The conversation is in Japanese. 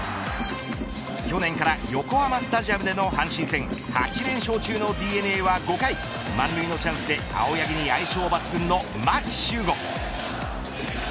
去年から横浜スタジアムでの阪神戦８連勝中のＤｅＮＡは５回満塁のチャンスで青柳に相性抜群の牧秀悟。